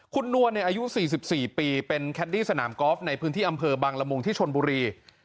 คุณนวลอายุ๔๔ปีเป็นแคดดี้สนามกอล์ฟในพื้นที่อำเภอบังละมุงที่ชนบุรี